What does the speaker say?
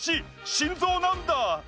心臓なんだ。